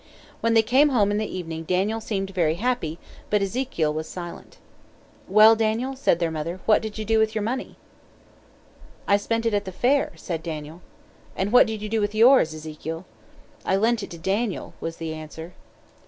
When they came home in the evening Daniel seemed very happy, but Ezekiel was silent. "Well, Daniel," said their mother, "what did you do with your money?" "I spent it at the fair," said Daniel. "And what did you do with yours, Ezekiel?" "I lent it to Daniel," was the answer.